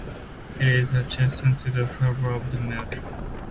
It is adjacent to the surburb of Melrose.